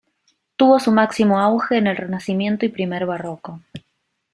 Tuvo su máximo auge en el Renacimiento y primer Barroco.